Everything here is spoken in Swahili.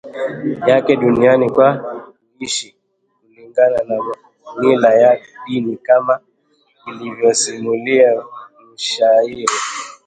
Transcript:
Yake duniani kwa kuishi kulingana na mila ya dini kama alivyosimulia mshairi